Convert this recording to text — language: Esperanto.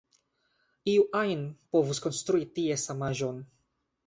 Iu ajn povus konstrui ties samaĵon.